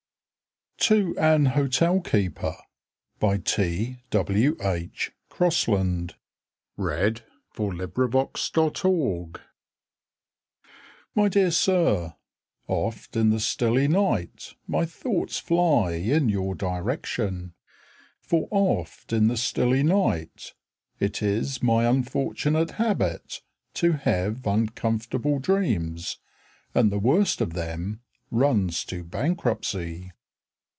et them down in my tablets For Useful persons. TO AN HOTEL KEEPER My dear Sir, Oft in the stilly night My thoughts fly In your direction, For oft in the stilly night It is my unfortunate habit To have uncomfortable dreams, And the worst of them Runs to bankruptcy.